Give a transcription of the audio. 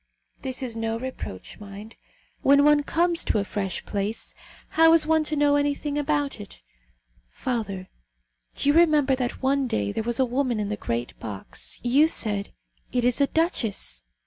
This is no reproach, mind. When one comes to a fresh place, how is one to know anything about it? Father, do you remember that one day there was a woman in the great box; you said: 'It is a duchess.'